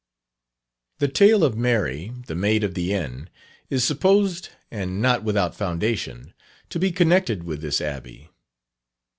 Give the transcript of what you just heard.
The tale of "Mary, the Maid of the Inn," is supposed, and not without foundation, to be connected with this Abbey.